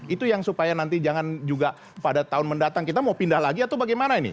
itu yang supaya nanti jangan juga pada tahun mendatang kita mau pindah lagi atau bagaimana ini